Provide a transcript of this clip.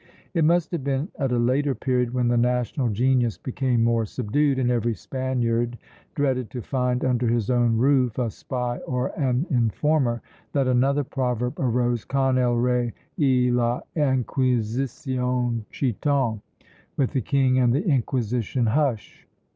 It must have been at a later period, when the national genius became more subdued, and every Spaniard dreaded to find under his own roof a spy or an informer, that another proverb arose, Con el rey y la inquisicion, chiton! "With the king and the Inquisition, hush!"